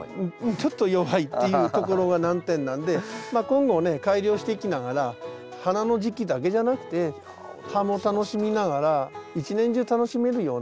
ちょっと弱いっていうところが難点なんで今後ね改良していきながら花の時期だけじゃなくて葉も楽しみながら一年中楽しめるような。